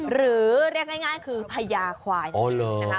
หรือเรียกง่ายคือพญาควายนะคะ